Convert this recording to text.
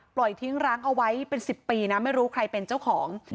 ปล่อยทิ้งร้างเอาไว้เป็น๑๐ปีนะไม่รู้ใครเป็นเจ้าของ